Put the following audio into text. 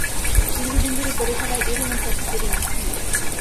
দীর্ঘদিন ধরে পড়ে থাকায় এরই মধ্যে একটি ফেরি নষ্ট হয়ে গেছে।